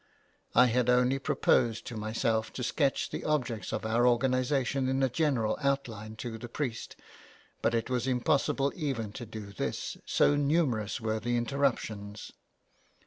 I had only proposed to myself to sketch the objects of our organization in a general outline to the priest, but it was impossible even to do this, so numerous were the interruptions.